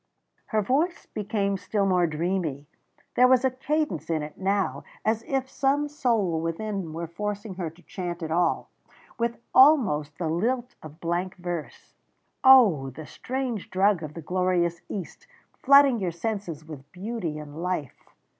Her voice became still more dreamy; there was a cadence in it now as if some soul within were forcing her to chant it all, with almost the lilt of blank verse. "Oh! the strange drug of the glorious East, flooding your senses with beauty and life.